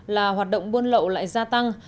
là hoạt động buôn lậu lại gia tăng